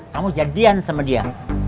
kamu jadian sama dia